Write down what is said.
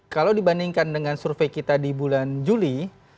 kalau dibandingkan dengan survei kita di bulan juli